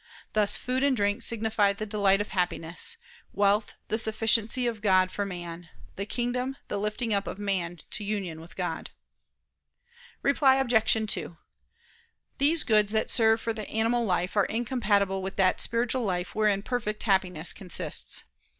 Thus food and drink signify the delight of Happiness; wealth, the sufficiency of God for man; the kingdom, the lifting up of man to union of God. Reply Obj. 2: These goods that serve for the animal life, are incompatible with that spiritual life wherein perfect Happiness consists.